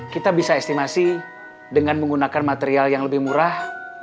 kita bisa estimasi dengan menggunakan material yang lebih murah